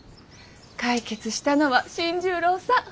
解決したのは新十郎さん。